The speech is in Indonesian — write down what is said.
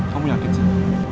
kamu yakin sih